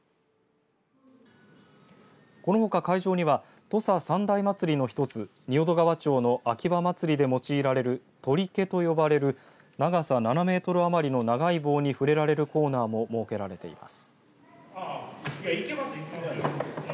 このほか会場には土佐三大祭りの一つ、仁淀川町の秋葉まつりでもちいられる鳥毛と呼ばれる長さ７メートル余りの長い棒に触れられるコーナーも設けられています。